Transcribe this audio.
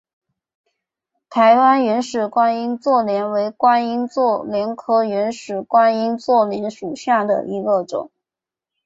台湾原始观音座莲为观音座莲科原始观音座莲属下的一个种。